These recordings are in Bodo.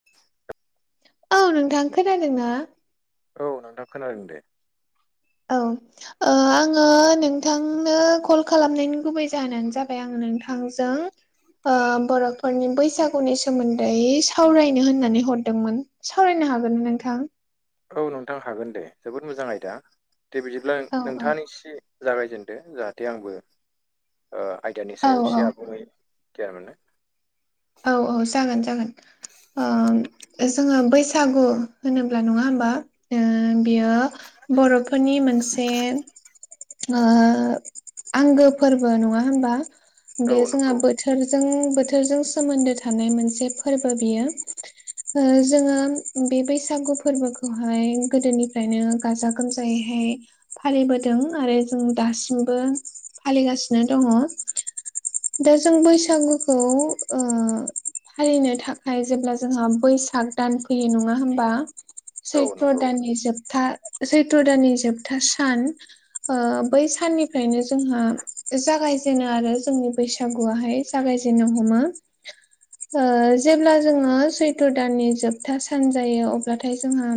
[unintelligible] औ नोंथां खोनादों ना औ नोंथा खोनादों दे औ ओ आङो नोंथांनो कल खालामनायनि गुबै जाहोनानो जाबाय आङो नोंथांजों ओ बर'फोरनि बैसागुनि सोमोन्दै सावरायनो होननानै हरदोंमोन सावरायनो हागोन नोंथां? औ नोंथां हागोन दे जोबोद मोजां आयदा दे बिदिब्ला औ नोंथाङा निसे जागायजेनदो जाहाथे आंबो ओ आयदानि औ सायाव औ एसे आबुङै गियान मोनो औ औ जागोन जागोन ओ जोङो बैसागु होनोब्ला नङा होमबा ओ बियो बर'फोरनि मोनसे ओ आंगो फोरबो नङा होनबा औ बेयो जोंहा नंगौ बोथोरजों बोथोरजों सोमोन्दो थानाय मोनसे फोरबो बियो जोङो बे बैसागु फोरबोखौहाय गोदोनिफ्रायनो गाजा गोमजायैहाय फालिबोदों आरो जों दासिमबो फालिगासिनो दङ' दा जों बैसागुखौ ओ फालिनो थाखाय जेब्ला जोंहा बैसाग दान फैयो नङा होमबा औ सैत्र नंगौ दाननि जोबथा सैत्र दाननि जोबथा सान ओ बै साननिफ्रायनो जोंहा जागायजेनो आरो जोंनि बैसागुआहाय जागायजेननो हमो ओ जेब्ला जोङो सैथ' दाननि जोबथा सान जायो अब्लाथाय जोंहा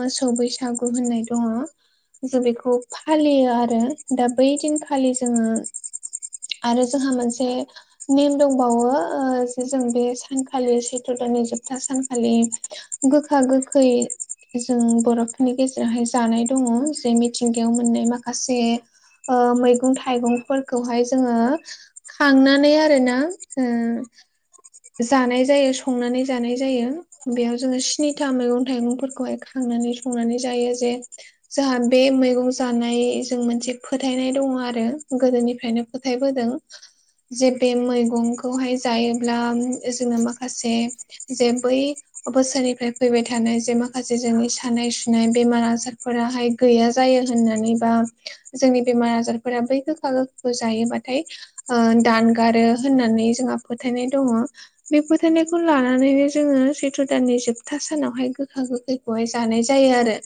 मोसौ बैसागु होननाय दङ जों बेखौ फालियो आरो दा बै दिनखालि जोङो आरो जोंहा मोनसे नेम दंबावो ओ जों बे सानखालि सैत्र दाननि जोबथा सानखालि गोखा गोखै जों बर'फोरनि गेजेरावहाय जानाय दङ जे मिथिंगायाव मोननाय माखासे माखासे मैगं थाइगंफोरखौहाय जोङो खांनानै आरो ना ओ जानाय जायो संनानै जानाय जायो बेयाव जोङो स्निथा मैगं थाइगंफोरखौहाय खांनानै संनानै जायो जे जोंहा बे मैगं जानायजों मोनसे फोथायनाय दङ' आरो गोदोनिफ्रायनो फोथायबोदों जे बे मैगंखौहाय जायोब्ला जोङो माखासे जे बै बोसोरनिफ्राय फैबाय थानाय जे माखासे जोंनि सानाय सुनाय बेमार आजारफोराहाय गैया जायो होननानै बा जोंनि बेमार आजारफोरा बै गोखा गोखाखौ जायोबाथाय ओ दानगारो होननानै जोंहा फोथायनाय दङ' बे फोथायनायखौ लानानैनो जोङो सैथ्र' दाननि जोबथा सानावहाय गोखा गोखैखौहाय जानाय जायो आरो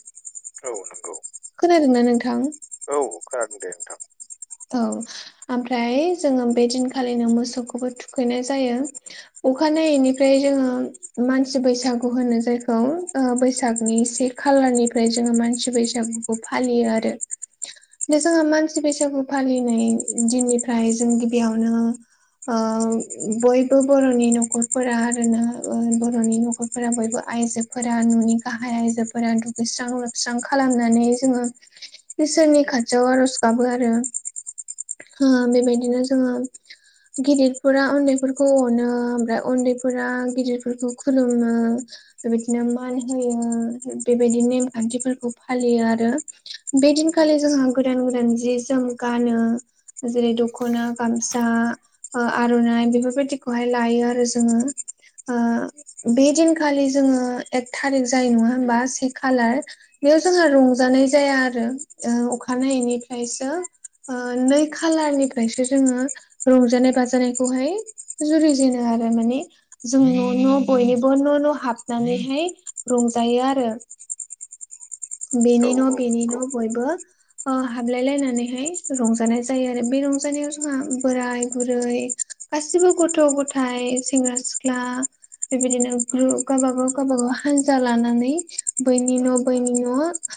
औ नंगौ नंगौ खोनादोंना नोंथां औ खोनादों दे नोंथां औ ओमफ्राय जोङो बे दिनखालिनो मोसौखौबो थुखैनाय जायो अखानायैनिफ्राय जोङो मानसि बैसागु होनो जायखौ बैसागनि से खालारनिफ्राय जोङो मानसि बैसागुखौ फालियो आरो जोंहा मानसि बैसागु फालिनाय दिननिफ्राय जों गिबियावनो बयबो बर'नि न'खरफोरा आरोना बर'नि न'खरफोरा बयबो आइजो फोरा न'नि गाहाय आइजोफोरा दुगैस्रां लोबस्रां खालामनानै जोङो इसोरनि खाथियाव आरज गाबो आरो बेबायदिनो जोङो गिदिरफोरा उन्दैफोरखौ अनो ओमफ्राय उन्दैफोरा गिदिरफोरखौ खुलुमो बेबायदिनो मान होयो बेबायदि नेमखान्थिफोरखौ फालियो आरो बे दिनखालि जोंहा गोदान गोदान जि जोम गानो जेरै दख'ना गामसा ओ आर'नाइ बेफोरबायदिखौहाय लायो आरो जोङो ओ बे दिनखालि जोङो एक थारिक जायो नङा होमबा से खालार बेयाव जोंहा रंजानाय जाया आरो ओ अखानायैनिफ्रायसो नै खालारनिफ्रायसो जोङो रंजानाय बाजानायखौहाय जुरिजेनो आरो माने जों न' न' बयनिबो न' न' हाबनानैहाय रंजायो आरो औ बेनि न औ बेनि नंगौ न बयबो ओ हाबलाय लायनानैहाय रंजानाय जायो आरो बे रंजानायाव जोंहा बोराय बुरै गासिबो गथ' गथाइ सेंग्रा सिख्ला बेबायदिनो ग्रु गावबागाव गावबागाव हानजा लानानै बैनि न' बैनि न'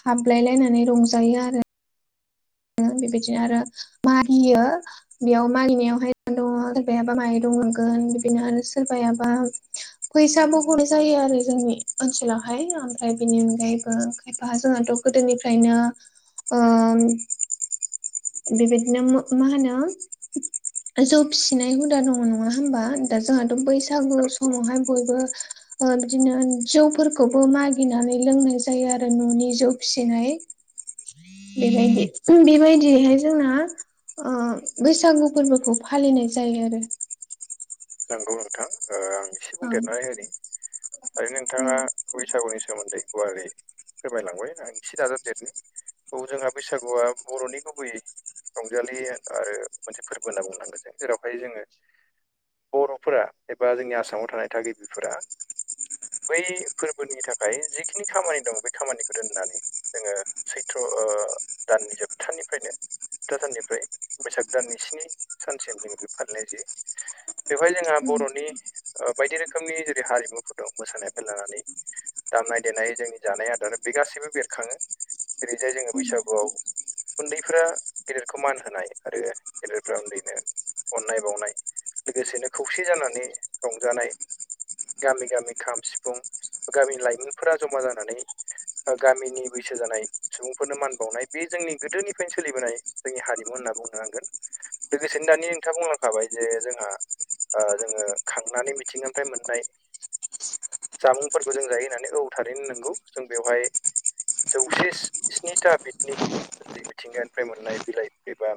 हाबलाय लायनानै रंजायो आरो बेबायदिनो आरो मागियो बेयाव मागिनायावहाय दङ सोरबायाबा माइरं मोनगोन बिदिनो आरो सोरबायाबा फैसाबो हरनाय जायो आरो जोंनि ओनसोलावहाय ओमफ्राय बेनि अनगायैबो एफा जोंहाथ' गोदोनिफ्रायनो बेबायदिनो मा होनो जौ फिसिनाय हुदा दङ नङा होमबा दा जोंहाथ' बै बैसागु नंगौ समावहाय बयबो बिदिनो जौफोरखौबो मागिनानै लोंनाय जायो आरो न'नि जौ फिसिनाय बेलाय बे बेबायदियैहाय जोंना ओ बैसागु फोरबोखौ फालिनाय जायो आरो नंगौ नोंथां ओ आं एसे औ बुंदेरनानै होनि ओरैनो नोंथाङा बैसागुनि सोमोन्दै गुवारै फोरमायलांबाय आंसे दाजाबदेरनि औ जोंहा बैसागुआ बर'नि गुबैयै रंजालि आरो मोनसे फोरबो होनना बुंनांगोन जों जेरावहाय जोङो बर'फोरा एबा जोंनि आसामाव थानाय थागिबिफोरा बै फोरबोनि थाखाय जिखिनि खामानि दं बे खामानिखौ दोननानै जोङो सैथ्र' दाननि जोबथानिफ्रायनो साननिफ्राय बैसाग दान स्नि सानसिम जोङो बे फालिनाय जायो बेवहाय जोंहा बर'नि बायदि रोखोमनि जेरै हारिमुफोर दं मोसानायफ्राय लानानै दामनाय देनाय जोंनि जानाय आदारा बे गासैबो बेरखाङो ओरैजाय जोङो बैसागुआव उन्दैफोरा गेदेरखौ मान होनाय आरो गेदेरफ्रा उन्दैनो अननाय बावनाय लोगोसेनो खौसे जानानै रंजानाय गामि गामि खाम सिफुं गामिनि लाइमोनफोरा जमा जानानै गामिनि बैसो जानाय सुबुंफोरनो मान बावनाय बे जोंनि गोदोनिफ्रायनो सोलिबोनाय जोंनि हारिमु होनना बुंनो नांगोन लोगोसेनो दानि नोंथाङा बुंहांखाबाय जे जोंहा जोङो खांनानै मिथिंगानिफ्राय मोननाय जामुंफोरखौ जों जायो होननानै औ थारैनो नोंगौ जों बेवहाय जौसे स्निथा बिदनि जि मिथिंगानिफ्राय मोननाय बिलाइ ए एबा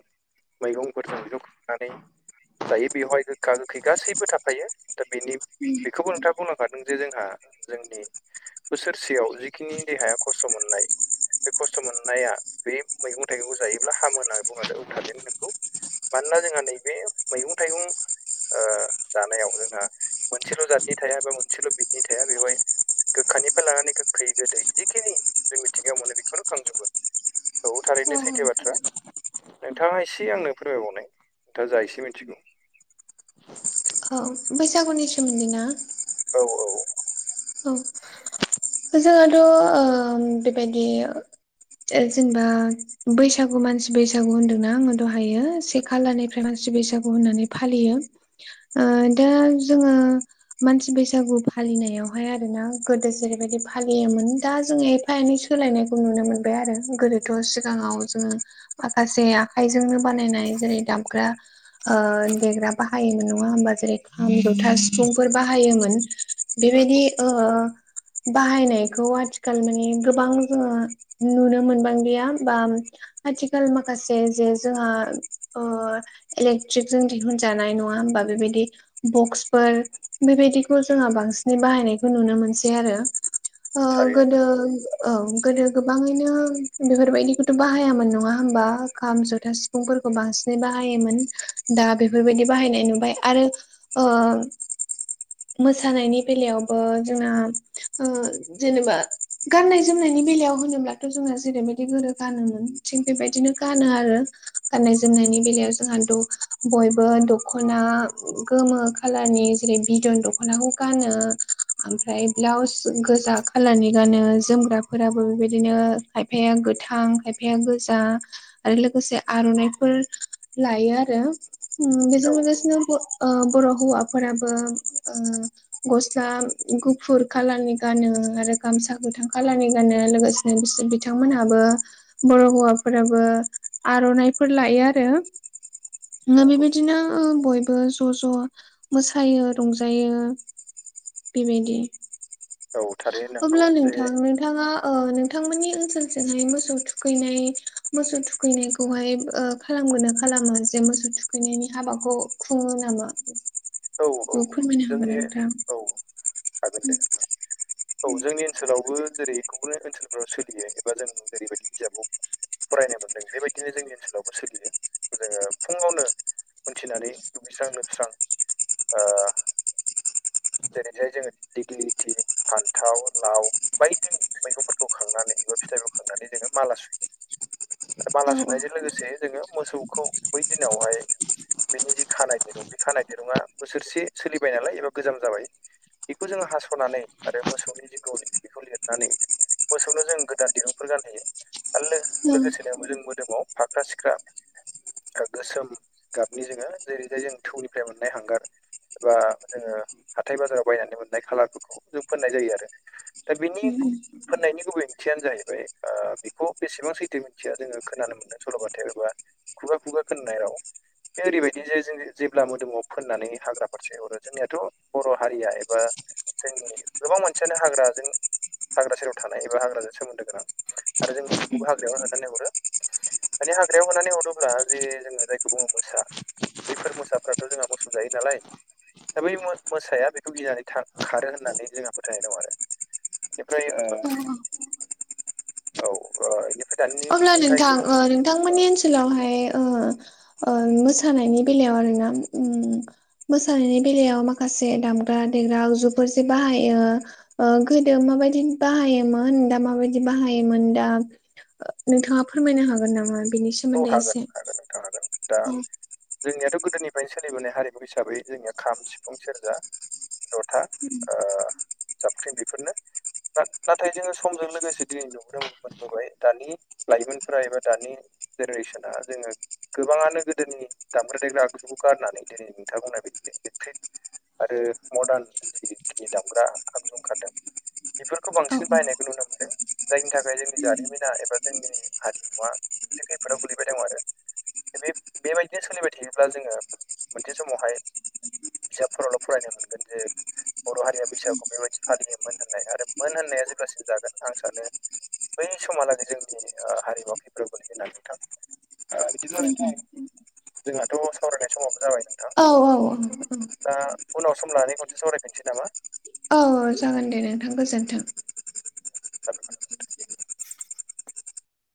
मैगंफोरजों बेखौ खनानै जायो बेवहाय गोखा गोखै गासैबो थाफायो दा बेनि बेखौबो नोंथाङा बुंलखादों जे जोंहा जोंनि बोसोरसेयाव जिखिनि देहाया खस्थ' मोननाय बे खस्थ' मोननाया बे मैगं थाइगंखौ जायोब्ला हामो होननानै बो औथारनो नोंगौ मानोना जोंहा नैबे मैगं थाइगं जानायाव जोंहा मोनसेल' जातनि थाया बा मोनसेल' बिदनि थाया बेवहाय गोखानिफ्राय लानानै गोखै गोदै जिखिनि जों मिथिंगायाव मोनो बेखौनो खांजोबो औ थारैनो सैथायो बाथ्रा नोंथाङा एसे आंनो फोरमायबावनाय नोंथाङा जा एसे मिथिगौ औ बैसागुनि सोमोन्दै ना औ औ औ जोंहाथ' बेबायदि जेनबा बैसागु मानसि बैसागु होन्दोंना आङो दहायो से खालारनिफ्राय मानसि बैसागु होननानै फालियो। ओ दा जोङो मानसि बैसागु फालिनायाव बेवहाय आरो ना गोदो जेरैबायदि फालियोमोन दा जोंङो एफा एनै सोलायनायखौ नुनो मोनबाय आरो गोदो थ' सिगाङाव जोङो माखासे आखाइजोंनो बानायनाय जेरै दामग्रा ओ देग्रा बाहायोमोन नङा होमबा जेरै खाम जथा सिफुंफोर बाहायोमोन। बेबायदि नंगौ ओ बाहायनायखौ आथिखाल माने गोबां जोङो नुनो मोनबांलिया बा आथिखाल माखासे जे जोंहा ओ इलेक्ट्रिक जों दिहुनजानाय नङा होमबा बेबायदि बक्सफोर बेबायदिखौ जोंहा बांसिनै बाहायनाय खौ नुनो मोनसै आरो ओ थारैनो गोदो औ गोदो गोबाङैनो बेफोरबायदिखौथ' बाहायामोन नङा होमबा खाम जथा सि फुंफोरखौ बांसिनै बाहायोमोन दा बेफोरबायदि बाहायनाय नुबाय आरो ओ मोसानायनि बेलायाव ओ जोंना ओ जेनेबा गाननाय जोमनायनि बेलायाव होनोब्ला थ' जोंना जेरैबायदि गोरो गानोमोन थिग बेबायदिनो गानो आरो गाननाय जोमनायनि बेलायाव जोंहा द बयबो दख'ना गोमो खालारनि जेरै बिदन दख'नाखौ गानो ओमफ्राय ब्लाउस गोजा खालारनि गानो जोमग्राफोराबो बेबायदिनो खायफाया गोथां खायफाया गोजा आरो लोगोसे आर'नाइफोर लायो आरो उम बेजों नंगौ औ लोगोसेनो ब ओ बर' हौवाफोराबो ओ गस्ला गुफुर खालारनि गानो आरो गामसा गोथां खालारनि गानो लोगोसेनो बिसोर बिथांमोनहाबो बर' हौवाफोराबो आर'नाइफोर लायो आरो नंगौ बेबायदिनो बयबो ज' ज' मोसायो रंजायो बिबायदि औ थारैनो नंगौ जे नोंथाङा ओ नोंथांमोननि ओनसोलजोंहाय मोसौ थुखैनाय मोसौ थुखैनाय खौहाय ओ खालामगोना खालामा जे मोसौ थुखैनायनि हाबाखौ खुङो नामा औ फोरमायनो हागोन जोंनि नोंथां औ हागोन दे [unintelligible] औ जोंनि ओनसोलावबो जेरै गुबुन ओनसोलफोराव सोलियो एबा जों जेरैबायदि बिजाबाव फरायनो मोनदों बेबायदिनो जोंनि ओनसोलावबो सोलियो जोङो फुङावनो उथिनानै दुगैस्रां लोबस्रां ओ जेरैजाय जोङो दिग्लिथि फान्थाव लाव बायदि मैगंफोरखौ खांनानै बा फिथाइफोरखौ खांनानै जोङो माला सुयो। आरो माला औ सुनायजों औ लोगोसे जोङो मोसौखौ बै दिनावहाय बेनि जि खानाय दिरुं बे खानाय दिरुङा बोसोरसे सोलिबाय नालाय एबा गोजाम जाबाय बेखौ जोङो हास'नानै आरो मोसौनि जि गलि बेखौ लिरनानै मोसौनो जों गोदान दिरुंफोर गानहोयो आरो लो लोगोसेनो जों मोदोमाव फाग्रा सिख्रा गोसोम गाबनि जोङो जेरै जाय जों थौनिफ्राय मोननाय हांगार एबा जोङो हाथाय बाजाराव बायनानै मोननाय खालारफोरखौ जों फोननाय जायो आरो दा बिनि फोननायनि गुबै ओंथियानो जाहैबाय ओ बेखौ बेसेबां सैथो मिथिया जोङो खोनानो मोनदों सल'बथायाव एबा खुगा खुगा खोनानाय राव बे ओरैबायदि जे जों जेब्ला मोदोमाव फोननानै हाग्रा फारसे हरो जोंनियाथ' बर' हारिया एबा जोंनि गोबां मोनसियानो हाग्राजों हाग्रा सेराव थानाय एबा हाग्राजों सोमोन्दो गोनां आरो जों मोसौखौबो हाग्लायावनो हनानैनाय हरो मानानि हाग्रायाव होनानै हरोब्ला जे जोङो जायखौ बुङो मोसा बैफोर मोसाफ्राथ' जोंहा मोसौ जायो नालाय दा बै मोसाया बेखौ गिनानै खारो होननानै जोंहा फोथायनाय दं आरो बेनिफ्राय औ औ बेनिफ्राय दानि नोंथाङा एसेम बिथांमोननि ओनसोलावहाय मोसानायनि बेलायाव आर ना मोसानायनि बेलायाव माखासे दामग्रा देग्राजुफोर ज बाहायो गोदो माबायदि बाहायोमोन दा माबायदि बाहायोमोन दा नोंथाङा फोरमायनो हागोन नामा बेनि सायाव औ हागोन हागोन नोंथां हागोन दा जोंनियाथ' गोदोनिफ्रायनो सोलिबोनाय हारिमु हिसाबै जोंनिया खाम सिफुं सेरजा जथा जाबख्रिं बेफोरनो ना- नाथाय जोङो समजों लोगोसे दिनै नुबोनो मोनबोबाय दानि लाइमोनफोरा एबा दानि जेनेरेसना जोङो गोबाङानो गोदोनि दामग्रा देग्रा आगजुखौ गारनानै दिनै नोंथां बुंनाय बादिनो इलेक्ट्रिक आरो मदारन जिखिनि दामग्रा आगजुं खादों बेफोरखौ औ बांसिन बाहायनायखौ नुनो मोन्दों जायनि थाखाय जोंनि जारिमिना एबा जोंनि हारिमुवा मोनसे खैफोदाव गोलैबाय दं आरो बे बेबायदिनो सोलिबाय थायोब्ला जोङो मोनसे समावहाय बिजाबफोरावल' फरायनो मोनगोन जे बर' हारिया बैसागु बेबायदि फालियो मोन होननाय आरो मोन होननाया जेब्लासिम जागोन आं सानो बै समहालागै जोंनि ओ हारिमुआ खैफोदाव गोलैगोन होनना नोंथां ओ बिदिब्ला नोंथां जोंहाथ' सावरायनाय समावबो जाबाय नोंथां औ औ औ दा उनाव सम लानानै खनसे सावरायफिनसै नामा अ जागोन दे नोंथां गोजोन्थों [unintelligible]